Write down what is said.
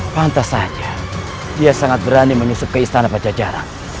pantas saja dia sangat berani menyusup ke istana pajajaran